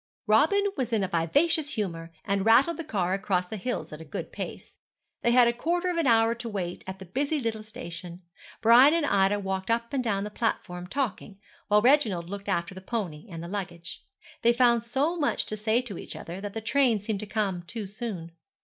Robin was in a vivacious humour, and rattled the car across the hills at a good pace. They had a quarter of an hour to wait at the busy little station. Brian and Ida walked up and down the platform talking, while Reginald looked after the pony and the luggage. They found so much to say to each other, that the train seemed to come too soon.